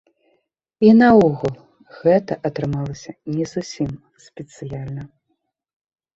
І наогул, гэта атрымалася не зусім спецыяльна.